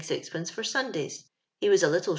Cut. for Sundays. He wjis a little .